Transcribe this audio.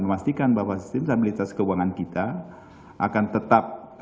memastikan bahwa sistem stabilitas keuangan kita akan tetap